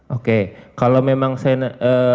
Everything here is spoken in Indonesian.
oke kalau memang saya